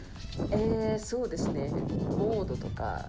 えー、そうですね、モードとか。